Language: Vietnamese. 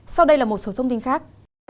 sau đây là một số thông tin khác